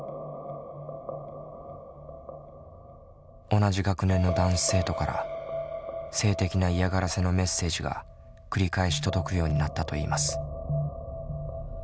同じ学年の男子生徒から性的な嫌がらせのメッセージが繰り返し届くようになったといいます。